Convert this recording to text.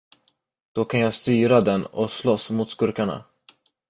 Då kan jag styra den och slåss mot skurkarna!